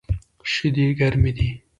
شیدې ګرمی دی